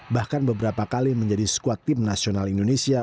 bahkan beberapa kali menjadi squad tim nasional indonesia